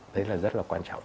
đấy là rất là quan trọng